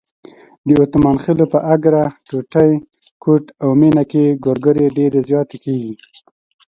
د اتمانخېلو په اګره، ټوټی، کوټ او مېنه کې ګورګورې ډېرې زیاتې کېږي.